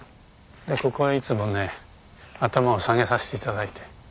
でここはいつもね頭を下げさせて頂いて。